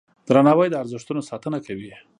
درناوی د ارزښتونو ساتنه کوي.